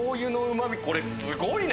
これすごいな！